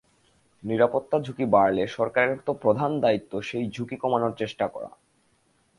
নিরাপত্তার ঝুঁকি বাড়লে সরকারের তো প্রধান দায়িত্ব সেই ঝুঁকি কমানোর চেষ্টা করা।